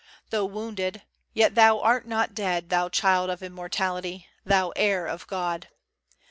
Though wounded, yet thou art not dead, thou child Of Immortality thou heir of God!